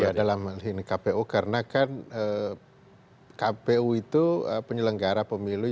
ya dalam hal ini kpu karena kan kpu itu penyelenggara pemilu